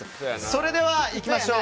それではいきましょう。